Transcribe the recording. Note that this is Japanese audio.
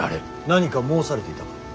何か申されていたか。